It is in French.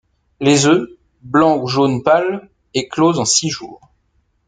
Les œufs, blancs ou jaune pâle, éclosent en six jours.